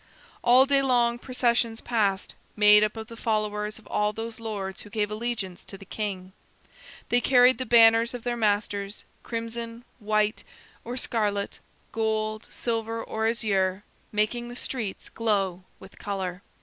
All day long processions passed, made up of the followers of all those lords who gave allegiance to the king. They carried the banners of their masters, crimson, white, or scarlet, gold, silver, or azure, making the streets glow with color.